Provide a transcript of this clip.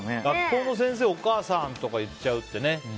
学校の先生、お母さんとかって言っちゃうってね。